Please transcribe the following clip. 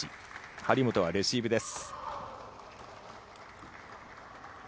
張本はレシーブです。